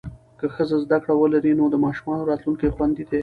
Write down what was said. که ښځه زده کړه ولري، نو د ماشومانو راتلونکی خوندي دی.